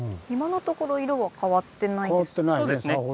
今のところ色は変わってないですね。